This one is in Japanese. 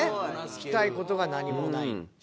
「聞きたいことが何もない」。